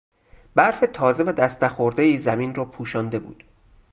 برف تازه و دست نخوردهای زمین را پوشانده بود.